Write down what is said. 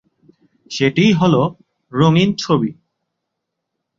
সেটিই হ'ল 'রঙিন ছবি'।